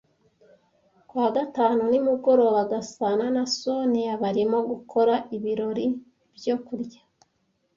Ku wa gatanu nimugoroba, Gasana na Soniya barimo gukora ibirori byo kurya.